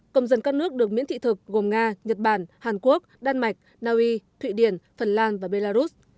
công dân các nước được miễn thị thực gồm nga nhật bản hàn quốc đan mạch naui thụy điển phần lan và belarus